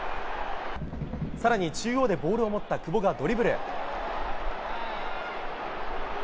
更に中央でボールを持った久保がドリブル。